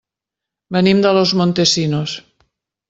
Venim de Los Montesinos.